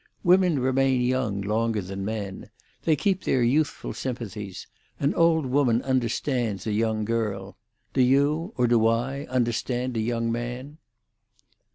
Women remain young longer than men. They keep their youthful sympathies; an old woman understands a young girl. Do you—or do I—understand a young man?"